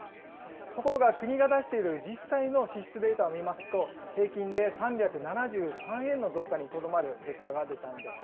ところが国が出している実際の支出データを見ますと、平均で３７３円の増加にとどまる結果が出たんです。